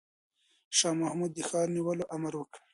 شاه محمود د ښار د نیولو امر وکړ.